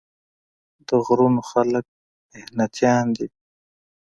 د غرونو خلک محنتيان دي ـ